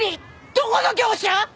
どこの業者！？